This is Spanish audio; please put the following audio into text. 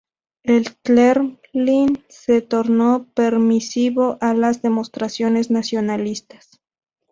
El Kremlin se tornó permisivo a las demostraciones nacionalistas.